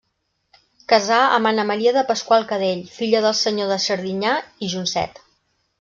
Casà amb Anna Maria de Pasqual-Cadell, filla del senyor de Serdinyà i Joncet.